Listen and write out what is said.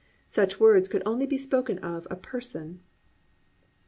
Such words could only be spoken of a person.